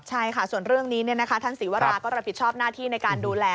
ใช่ค่ะส่วนเรื่องนี้ท่านศรีวราก็รับผิดชอบหน้าที่ในการดูแล